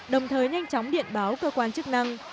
đồng thời nhanh chóng điện báo cơ quan chức năng